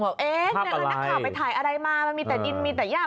เอ๊ะแล้วนักข่าวไปถ่ายอะไรมามันมีแต่ดินมีแต่ย่า